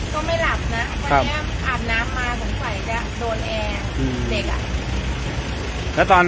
อ๋อต้องกลับมาก่อน